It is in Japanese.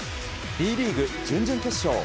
Ｂリーグ準々決勝。